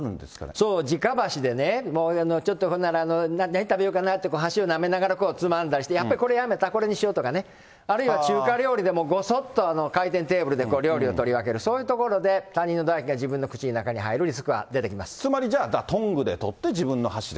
そう、じか箸でね、ちょっとほんなら、何食べようかなと箸をなめながらつまんだりして、やっぱりこれやめた、これにしようとか、あるいは中華料理でも、ごそっと回転テーブルで料理を取り分ける、そういうところで他人のだ液が自分の口の中に入るリスクは出てきつまりじゃあ、トングで取って自分の箸で。